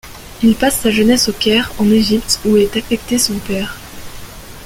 Il passe sa jeunesse au Caire, en Égypte, où est affecté son père.